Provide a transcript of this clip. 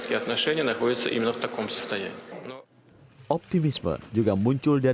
kami mengerti dan memberi perhatian bahwa ini bukan jalan yang mudah